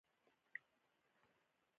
ځینې ژاولې د ذهني تمرکز لپاره ګټورې وي.